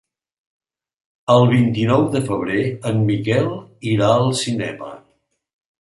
El vint-i-nou de febrer en Miquel irà al cinema.